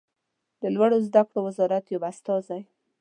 د لوړو زده کړو وزارت یو استازی